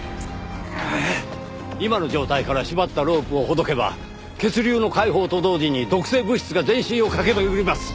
今の状態から縛ったロープをほどけば血流の解放と同時に毒性物質が全身を駆け巡ります。